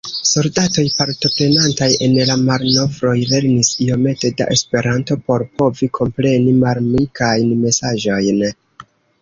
Soldatoj partoprenantaj en la manovroj lernis iomete da Esperanto por povi kompreni malamikajn mesaĝojn.